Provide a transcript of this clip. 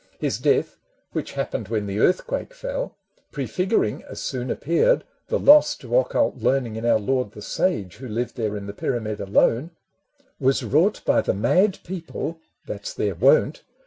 His death, which happened when the earthquake feD (Prefiguring, as soon appeared, the loss To occult learning in our lord the sage Who lived there in the pyramid alone) Was wrought by the mad people— that 's their wont